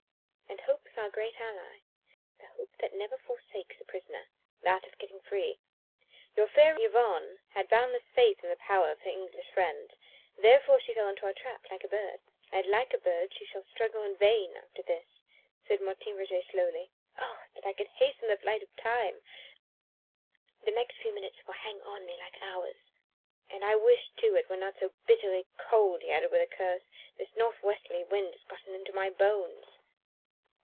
And hope was our great ally the hope that never forsakes a prisoner that of getting free. Your fair Yvonne had boundless faith in the power of her English friends, therefore she fell into our trap like a bird." "And like a bird she shall struggle in vain after this," said Martin Roget slowly. "Oh! that I could hasten the flight of time the next few minutes will hang on me like hours. And I wish too it were not so bitterly cold," he added with a curse; "this north westerly wind has got into my bones."